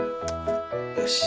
よし。